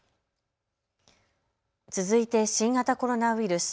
続いて新型コロナウイルス。